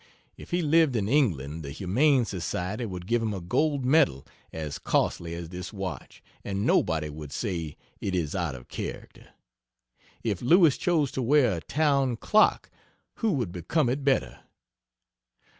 If he lived in England the Humane Society would give him a gold medal as costly as this watch, and nobody would say: "It is out of character." If Lewis chose to wear a town clock, who would become it better?